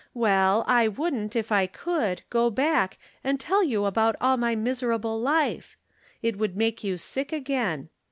Well, I wouldn't if I could go back and tell you about all my miser able life ; it would make you sick again.